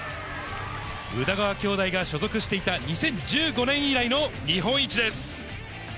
宇田川兄弟が所属していた２０１５年以来の日本一です。